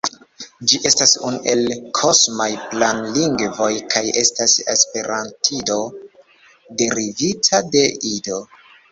Ĝi estas unu el "kosmaj planlingvoj" kaj estas esperantido derivita de Ido.